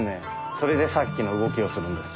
それでさっきの動きをするんです。